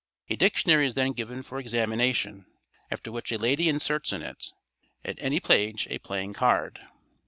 A dictionary is then given for examination, after which a lady inserts in it, at any page, a playing card.